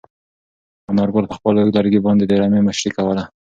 انارګل په خپل اوږد لرګي باندې د رمې مشري کوله.